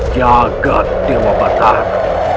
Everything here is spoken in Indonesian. jagat dewa batar